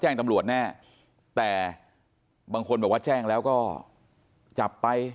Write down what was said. แจ้งตำรวจแน่แต่บางคนบอกว่าแจ้งแล้วก็จับไป